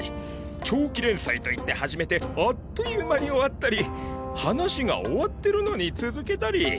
長期連載と言って始めてあっという間に終わったり話が終わってるのに続けたり。